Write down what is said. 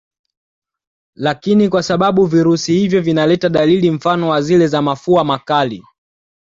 Lakini kwa sababu virusi hivyo vinaleta dalili mfano wa zile za mafua makali